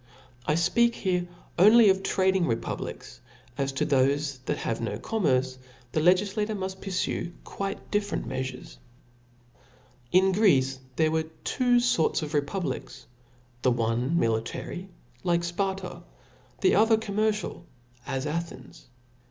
I fpeatc here only of trading republics, for as to thofe that have no commerce, the legiQator muft purfue quite different meafures *. In Greece there were two forts of republics : the one military, like Sparta ^ the other commercial^ ts Athens.